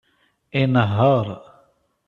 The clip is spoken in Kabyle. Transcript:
Inehheṛ.